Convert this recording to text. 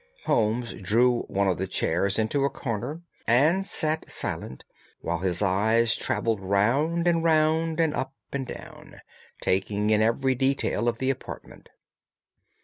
Holmes drew one of the chairs into a corner and sat silent, while his eyes travelled round and round and up and down, taking in every detail of the apartment.